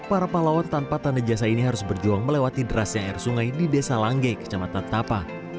para pahlawan tanpa tanda jasa ini harus berjuang melewati derasnya air sungai di desa langge kecamatan tapa